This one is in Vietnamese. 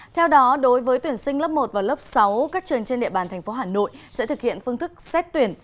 theo đó đối với tuyển sinh lớp một và lớp sáu các trường trên địa bàn tp hà nội sẽ thực hiện phương thức xét tuyển